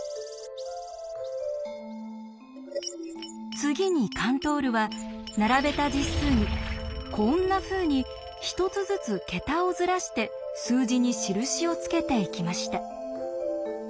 次にカントールは並べた実数にこんなふうに１つずつ桁をずらして数字に印をつけていきました。